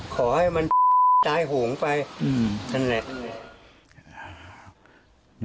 ขอให้มันตายโหงไปนั่นแหละ